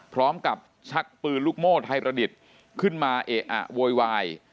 ชักปืนลูกโม่ไทยประดิษฐ์ขึ้นมาเอะอะโวยวาย